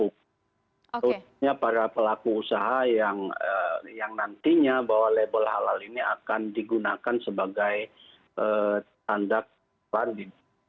khususnya para pelaku usaha yang nantinya bahwa label halal ini akan digunakan sebagai tanda kelanjut